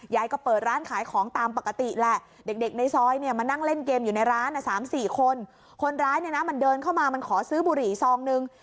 ยายก็เปิดร้านขายของตามปกติแหละเด็กในซอยเนี่ยมานั่งเล่นเกมอยู่ในร้าน๓๔คนคนร้ายเนี่ยนะมันเดินเข้ามามันขอซื้อบุหรี่ซองนึง